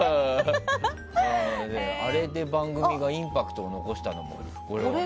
アレで番組がインパクトを残したの森。